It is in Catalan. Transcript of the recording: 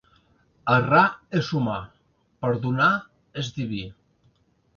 Errar és humà, (Perdonar és diví).